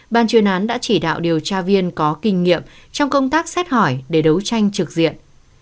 ban chuyên án đã chỉ đạo điều tra viên có kinh nghiệm trong công tác xét hỏi để đấu tranh trực diện